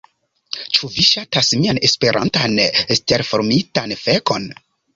Ĉu vi ŝatas mian Esperantan stelformitan fekon?